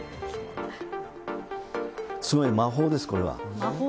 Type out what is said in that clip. すごい、魔法です、これは。